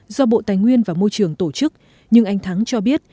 do bộ tài nguyên và môi trường tổ chức nhưng anh thắng cho biết